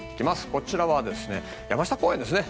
こちらは山下公園ですね。